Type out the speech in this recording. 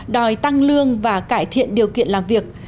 đòi tăng lương và cải thiện điều kiện làm việc